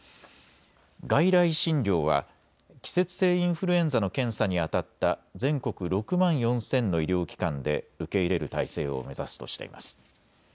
外来診療は季節性インフルエンザの検査にあたった全国６万４０００の医療機関で受け入れる体制を目指すとしています。